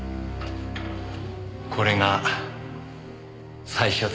これが最初だよな？